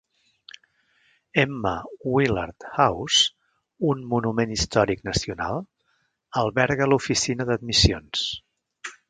Emma Willard House, un Monument Històric Nacional, alberga l'oficina d'admissions.